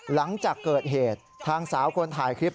หลังจากเกิดเหตุทางสาวคนถ่ายคลิป